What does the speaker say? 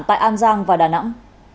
tại an giang và đà nẵng